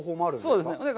そうですね。